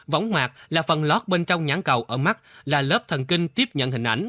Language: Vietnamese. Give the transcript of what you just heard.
vỏng ngoạt là phần lót bên trong nhãn cầu ở mắt là lớp thần kinh tiếp nhận hình ảnh